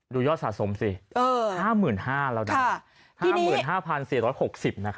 ดูยอดสะสมสิ๕๕๔๖๐นะครับ